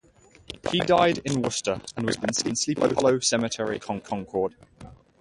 He died in Worcester, and was buried in Sleepy Hollow Cemetery, Concord.